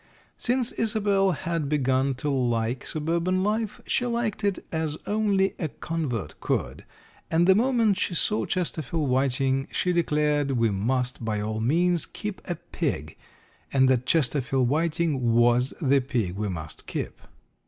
Since Isobel had begun to like suburban life, she liked it as only a convert could, and the moment she saw Chesterfield Whiting she declared we must, by all means, keep a pig, and that Chesterfield Whiting was the pig we must keep.